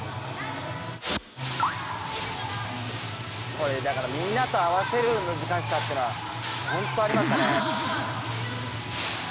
これだからみんなと合わせる難しさってのはほんとありましたね。